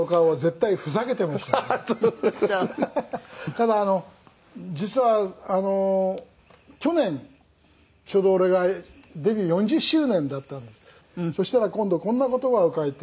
「ただ実は去年ちょうど俺がデビュー４０周年だったんです」「そしたら今度こんな言葉を書いて」